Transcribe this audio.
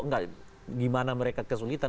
tidak gimana mereka kesulitan